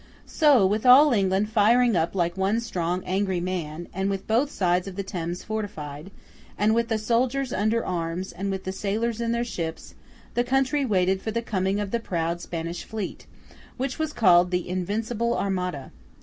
So, with all England firing up like one strong, angry man, and with both sides of the Thames fortified, and with the soldiers under arms, and with the sailors in their ships, the country waited for the coming of the proud Spanish fleet, which was called The Invincible Armada.